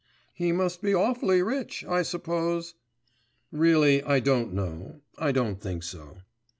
'He must be awfully rich, I suppose?' 'Really I don't know; I don't think so.